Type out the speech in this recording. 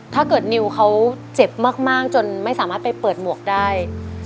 ถ้าเกิดนิวเขาเจ็บมากจนไม่สามารถไปเปิดหมวกได้